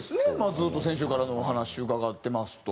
ずっと先週からのお話伺ってますと。